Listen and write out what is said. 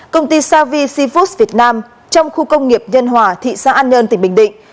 công ty savi foos việt nam trong khu công nghiệp nhân hòa thị xã an nhơn tỉnh bình định